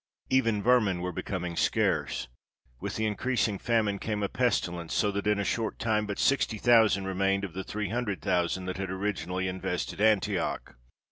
Even vermin were becoming scarce. With increasing famine came a pestilence, so that in a short time but sixty thousand remained of the three hundred thousand that had originally invested Antioch.